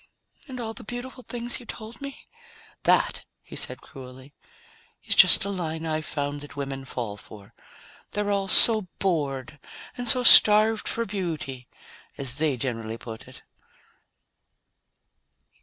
"And all the beautiful things you told me?" "That," he said cruelly, "is just a line I've found that women fall for. They're all so bored and so starved for beauty as they generally put it."